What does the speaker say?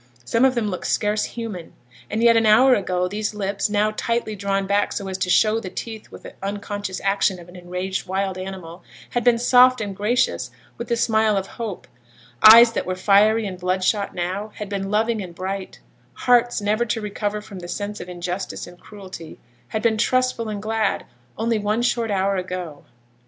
Some of them looked scarce human; and yet an hour ago these lips, now tightly drawn back so as to show the teeth with the unconscious action of an enraged wild animal, had been soft and gracious with the smile of hope; eyes, that were fiery and bloodshot now, had been loving and bright; hearts, never to recover from the sense of injustice and cruelty, had been trustful and glad only one short hour ago.